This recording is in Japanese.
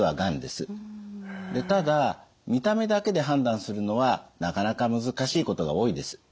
ただ見た目だけで判断するのはなかなか難しいことが多いです。